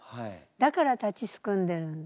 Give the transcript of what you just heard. だから立ちすくんでるの。